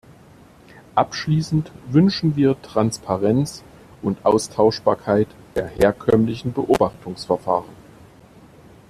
Abschließend wünschen wir Transparenz und Austauschbarkeit der herkömmlichen Beobachtungsverfahren.